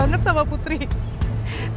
dan katanya dibawa ke rumah sakit